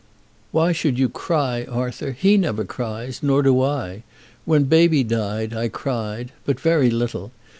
"Why should you cry, Arthur? He never cries, nor do I. When baby died I cried, but very little.